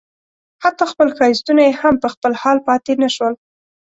حتی خپل ښایستونه یې هم په خپل حال پاتې نه شول.